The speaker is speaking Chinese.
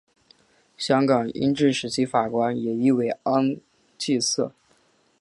香港英治时期法官也译为按察司。